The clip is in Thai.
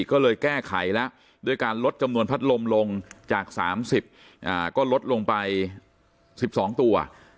ก็เลยแก้ไขแล้วด้วยการลดจำนวนพัดลมลงจาก๓๐ก็ลดลงไป๑๒ตัว